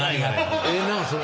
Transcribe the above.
ええなそれ。